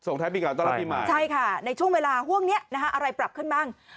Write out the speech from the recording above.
ท้ายปีเก่าต้อนรับปีใหม่ใช่ค่ะในช่วงเวลาห่วงนี้นะฮะอะไรปรับขึ้นบ้าง